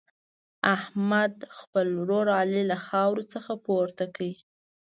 احمد، خپل ورور علي له خاورو څخه پورته کړ.